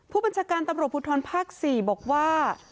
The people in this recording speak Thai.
ผู้บัญชาการตำรวจภูทรภาค๔บอกว่า